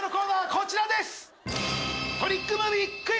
こちらです！